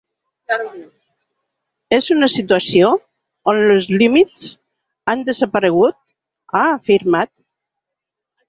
És una situació on els límits han desaparegut, ha afirmat.